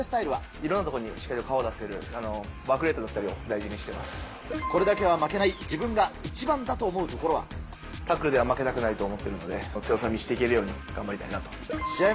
いろんなところにしっかり顔を出せる、ワークレートを大事にこれだけは負けない、タックルでは負けたくないと思っているので、強さにしていけるように頑張りたいなと。